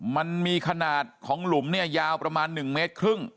มันมีขนาดของหลุมเนี่ยยาวประมาณ๑เมตรครึ่ง